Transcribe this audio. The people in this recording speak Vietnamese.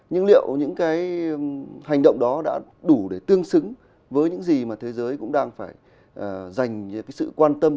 nhưng liệu những cái hành động đó đã đủ để tương xứng với những gì mà thế giới cũng đang phải dành sự quan tâm